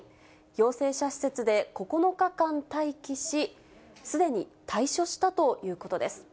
陽性者施設で９日間待機し、すでに退所したということです。